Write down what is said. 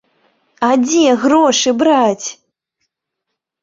А дзе грошы браць?